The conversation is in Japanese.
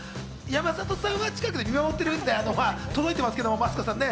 山里さんは近くで見守ってるんで届いてますけどマツコさんね。